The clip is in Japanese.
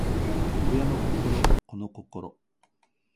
親の心子の心